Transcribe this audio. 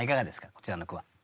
こちらの句は。